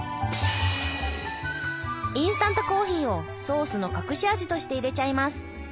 インスタントコーヒーをソースの隠し味として入れちゃいます！